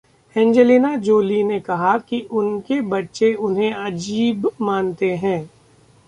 Angelina Jolie ने कहा कि उनके बच्चे उन्हें अजीब मानते हैं